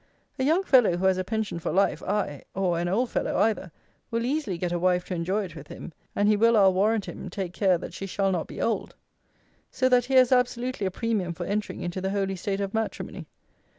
A young fellow who has a pension for life, aye, or an old fellow either, will easily get a wife to enjoy it with him, and he will, I'll warrant him, take care that she shall not be old. So that here is absolutely a premium for entering into the holy state of matrimony.